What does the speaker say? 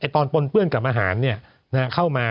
ปนเปื้อนกับอาหารเข้ามา